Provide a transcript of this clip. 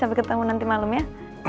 sampai ketemu nanti malem ya